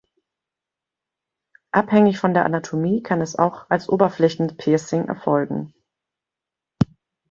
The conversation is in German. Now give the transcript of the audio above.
Abhängig von der Anatomie kann es auch als Oberflächenpiercing erfolgen.